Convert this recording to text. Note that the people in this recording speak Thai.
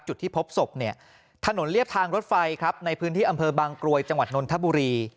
จุดที่พบศพเนี่ยถนนเรียบทางรถไฟครับในพื้นที่อำเภอบางกรวยจังหวัดนนทบุรี